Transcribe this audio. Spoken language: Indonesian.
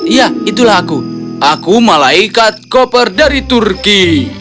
iya itulah aku aku malaikat koper dari turki